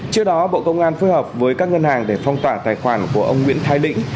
trước đó bộ công an phối hợp với các ngân hàng để phong tỏa tài khoản của ông nguyễn thái lĩnh